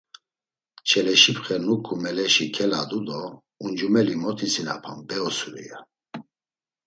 Çeleşipxe nuǩu meleşi keladu do: “Uncumeli mot isinapam be osuri!” ya.